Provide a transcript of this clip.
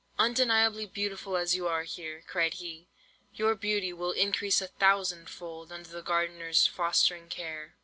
"'Undeniably beautiful as you are here,' cried he, 'your beauty will increase a thousand fold, under the gardener's fostering care.